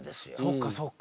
そっかそっか。